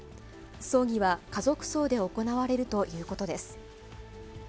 葬儀は家族葬で行われるということです。